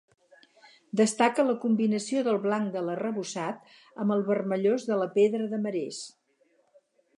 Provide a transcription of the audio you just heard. Destaca la combinació del blanc de l'arrebossat amb el vermellós de la pedra de marès.